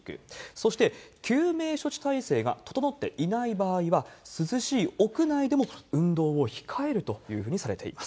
そして、救命処置体制が整っていない場合は、涼しい屋内でも運動を控えるというふうにされています。